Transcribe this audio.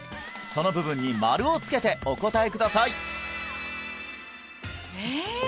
その部分に丸をつけてお答えくださいえ？